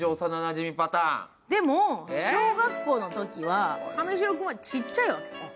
でも、小学校のときは神城君はちっちゃいわけ。